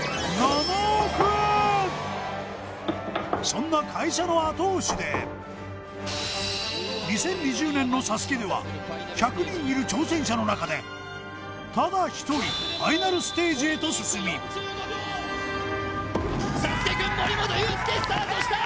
そんな会社の後押しで２０２０年の「ＳＡＳＵＫＥ」では１００人いる挑戦者の中でただ１人ファイナルステージへと進みサスケくん森本裕介スタートした！